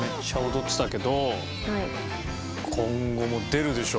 今後も出るでしょ？